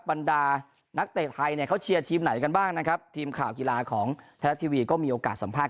บรรดานักเตะไทยเนี่ยเขาเชียร์ทีมไหนกันบ้างนะครับทีมข่าวกีฬาของไทยรัฐทีวีก็มีโอกาสสัมภาษณ